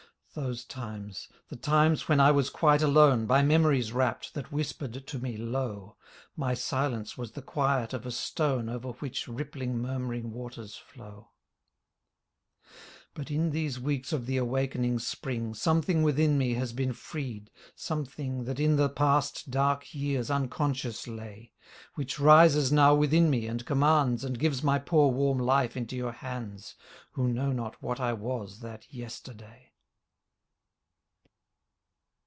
Those times: the times when I was quite alone By memories wrapt that whispered to me low, My silence was the quiet of a stone Over which rippling murmuring waters flow. But in these weeks of the awakening Spring Something within me has been freed — something That in the past dark years unconscious lay. Which rises now within me and commands And gives my poor warm life into your hands Who know not what I was that Yesterday.